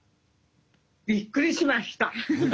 びっくりしました。